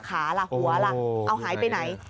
ล่ะหัวล่ะเอาหายไปไหน